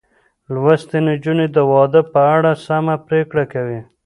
لوستې نجونې د واده په اړه سمه پرېکړه کوي.